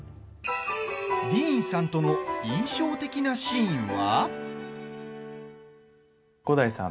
ディーンさんとの印象的なシーンは。